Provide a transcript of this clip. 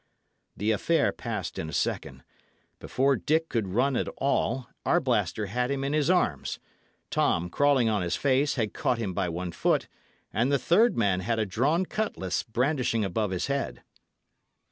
The affair passed in a second. Before Dick could run at all, Arblaster had him in his arms; Tom, crawling on his face, had caught him by one foot, and the third man had a drawn cutlass brandishing above his head.